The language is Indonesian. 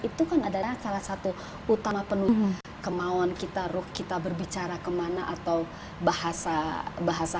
itu kan adalah salah satu utama penuh kemauan kita ruh kita berbicara kemana atau bahasa